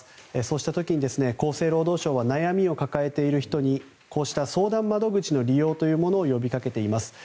うしたときに、厚生労働省は悩みを抱えている人に相談窓口の利用を呼びかけています。